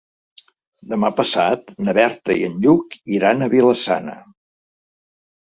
Demà passat na Berta i en Lluc iran a Vila-sana.